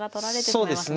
そうですね。